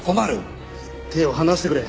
手を離してくれ。